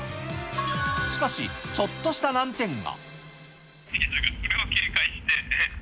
しかし、ちょっとした難点が。